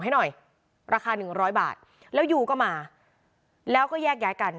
ให้หน่อยราคาหนึ่งร้อยบาทแล้วยูก็มาแล้วก็แยกย้ายกัน